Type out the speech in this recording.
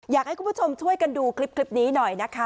อยากให้คุณผู้ชมช่วยกันดูคลิปนี้หน่อยนะคะ